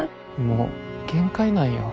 もう限界なんよ。